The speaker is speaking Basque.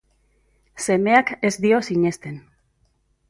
Semeak ez dio sinesten.